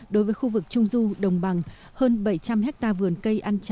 đối với khu vực trung du đồng bằng hơn bảy trăm linh hecta vườn cây ăn trà